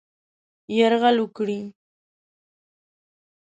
یرغل وکړي.